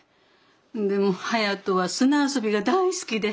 でも颯人は砂遊びが大好きで。